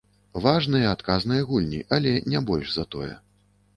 Важныя, адказныя гульні, але не больш за тое.